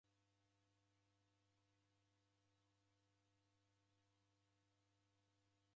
Kusenitale kwa vindo kekedeka